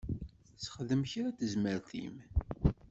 Sexdem kra tazmert-im.